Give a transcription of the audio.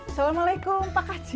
assalamualaikum pak haji